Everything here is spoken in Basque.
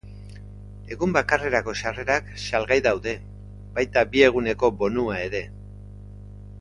Egun bakarrerako sarrerak salgai daude, baita bi eguneko bonua ere.